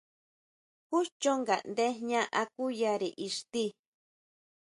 ¿Júchon ngaʼnde jña akuyare ixti?